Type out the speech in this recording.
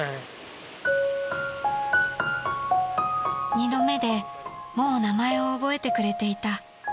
［２度目でもう名前を覚えてくれていた］